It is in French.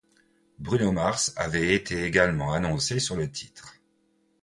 Bruno Mars avait été également annoncé sur le titre.